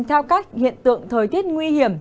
theo các hiện tượng thời tiết nguy hiểm